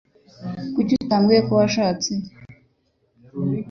Kuki utabwiye ko washatse?